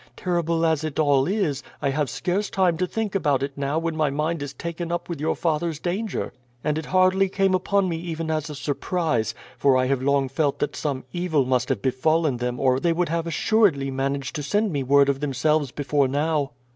"Terrible as it all is, I have scarce time to think about it now when my mind is taken up with your father's danger. And it hardly came upon me even as a surprise, for I have long felt that some evil must have befallen them or they would have assuredly managed to send me word of themselves before now."